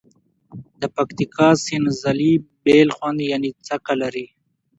د پکتیکا سینځلي بیل خوند یعني څکه لري.